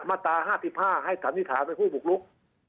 มาตรา๕๕ให้สันนิษฐานเป็นผู้บุกลุก